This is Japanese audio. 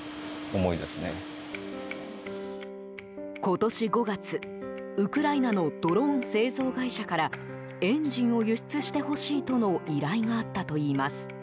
今年５月、ウクライナのドローン製造会社からエンジンを輸出してほしいとの依頼があったといいます。